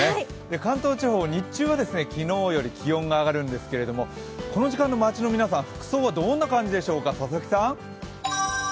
関東地方は、日中は昨日より気温が上がるんですけれどもこの時間の街の皆さん、服装はどんな感じでしょうか？